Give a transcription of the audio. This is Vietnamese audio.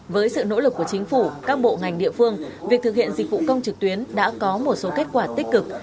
với sự nỗ lực của chính phủ các bộ ngành địa phương việc thực hiện dịch vụ công trực tuyến đã có một số kết quả tích cực